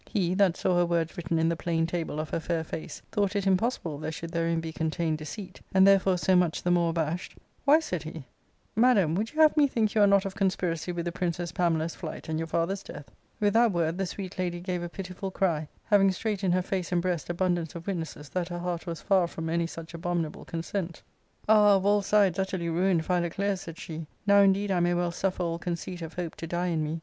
He, that saw her words written in the plain table of her fair face, thought it impossible there should therein be contained deceit, and therefore so much the more abashed, "Why, said he, " madam, would you have me think you are not of conspiracy with the Princess Pamela's flight and your father's death T* With that word the sweet lady gave a pitiful cry, having straight in her face and breast abundance of witnesses that her heart was far from any such abominable consent. "Ah, of ARCADIA. ^Book IV. 437 all sides utterly ruined Philoclea," said she, "now indeed I may well suffer all conceit of hope to die in me.